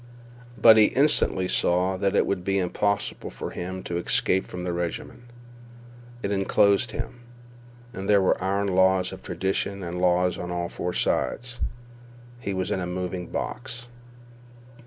But he instantly saw that it would be impossible for him to escape from the regiment. It inclosed him. And there were iron laws of tradition and law on four sides. He was in a moving box.